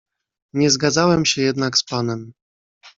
"Nie zgadzałem się jednak z panem."